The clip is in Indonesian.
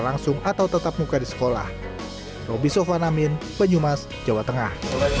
lebih sopan amin banyumas jawa tengah